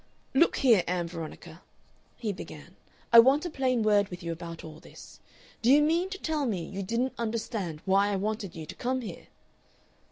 "Look here, Ann Veronica," he began. "I want a plain word with you about all this. Do you mean to tell me you didn't understand why I wanted you to come here?"